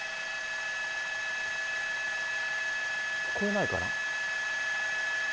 聞こえないかな。